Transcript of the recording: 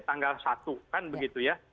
tanggal satu kan begitu ya